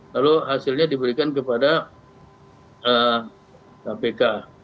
lalu hasilnya diberikan kepada kpk